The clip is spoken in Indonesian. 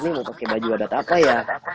ini mau pakai baju adat apa ya